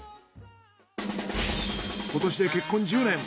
今年で結婚１０年。